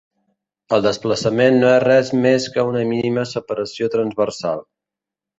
El desplaçament no és res més que una mínima separació transversal.